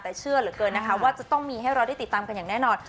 แต่เชื่อเหลือเกินนะคะว่าจะต้องมีให้เราได้ติดตามกันอย่างแน่นอน